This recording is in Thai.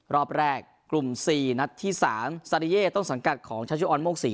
รอบแรกกลุ่มสี่นัดที่สามซาดีเย่ต้องสังกัดของชาชุออนโมกศรี